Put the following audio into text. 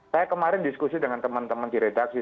saya kemarin diskusi dengan teman teman di redaksi